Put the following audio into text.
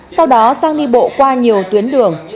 sau đó sang đi bộ qua nhiều tuyến đường